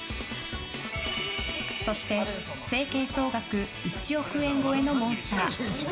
そして、整形総額１億円超えのモンスター。